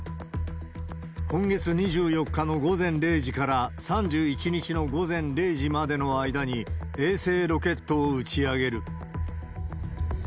今月２４日の午前０時から３１日の午前０時までの間に、衛星ロケットを打ち上げる。